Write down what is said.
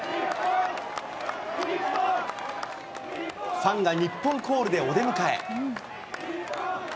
ファンが日本コールでお出迎え。